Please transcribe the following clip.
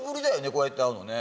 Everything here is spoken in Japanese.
こうやって会うのね